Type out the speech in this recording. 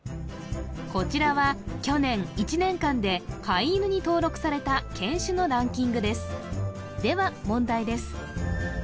こちらは去年１年間で飼い犬に登録された犬種のランキングですでは問題です